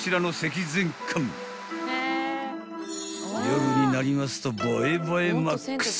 ［夜になりますと映え映えマックス］